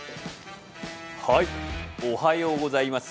おはようございます。